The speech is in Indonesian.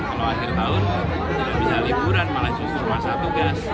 kalau akhir tahun tidak bisa liburan malah justru masa tugas